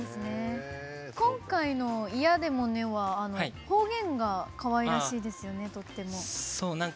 今回の「嫌でもね」は方言がかわいらしいですよね。